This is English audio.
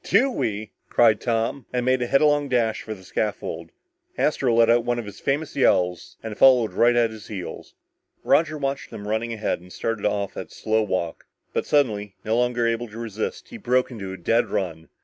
"Do we!" cried Tom, and made a headlong dash for the scaffold. Astro let out one of his famous yells and followed right at his heels. Roger watched them running ahead and started off at a slow walk, but suddenly, no longer able to resist, he broke into a dead run.